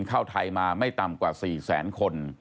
เข้าไทยมาไม่ต่ำกว่า๔แสนคน